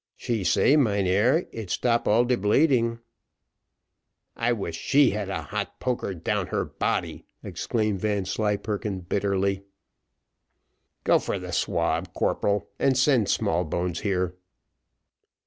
"She say, mynheer, it stop all de bleeding." "I wish she had a hot poker down her body," exclaimed Vanslyperken, bitterly. "Go for the swab, corporal, and send Smallbones here."